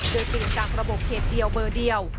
โดยติดตามระบบเขตเดียวเบอร์เดียว